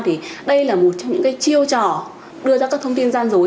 thì đây là một trong những cái chiêu trò đưa ra các thông tin gian dối